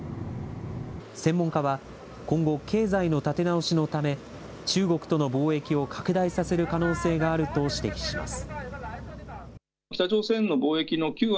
専門家は今後、経済の立て直しのため、中国との貿易を拡大させる可能性があると指摘します。